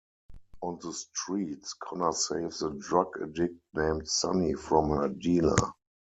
On the streets, Connor saves a drug addict named Sunny from her dealer.